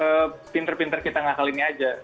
sebenarnya pinter pinter kita ngakalin aja